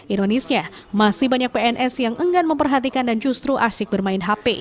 ironisnya masih banyak pns yang enggan memperhatikan dan justru asik bermain hp